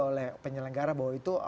oleh penyelenggara bahwa itu